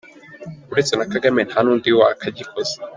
Uretse na Kagame, nta n’undi wakagikoze!.